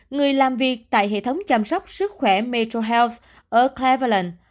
người làm việc tại hệ thống chăm sóc sức khỏe metrohealth ở cleveland